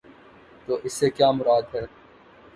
تو اس سے کیا مراد ہے؟